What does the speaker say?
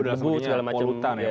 debu dan semuanya